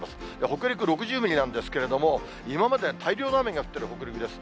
北陸６０ミリなんですけれども、今まで大量の雨が降っている北陸です。